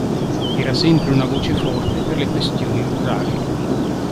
Era sempre una voce forte per le questioni rurali.